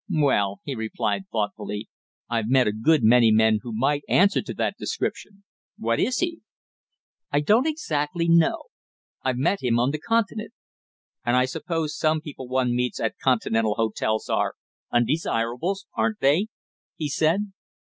"Well," he replied thoughtfully, "I've met a good many men who might answer to that description. What is he?" "I don't exactly know. I've met him on the Continent." "And I suppose some people one meets at Continental hotels are undesirables, aren't they?" he said.